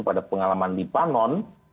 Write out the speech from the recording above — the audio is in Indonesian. pada pengalaman libanon